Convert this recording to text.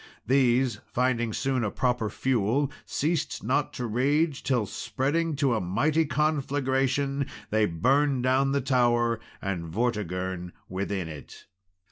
These finding soon a proper fuel, ceased not to rage, till spreading to a mighty conflagration, they burned down the tower and Vortigern within it.